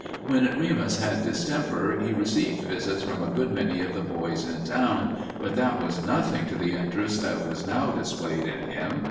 When Remus had distemper he received visits from a good many of the boys in town, but that was nothing to the interest that was now displayed in him.